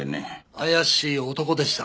怪しい男でした。